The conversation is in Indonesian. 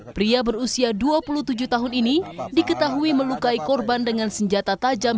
pria berusia dua puluh tujuh tahun ini diketahui melukai korban dengan senjata tajam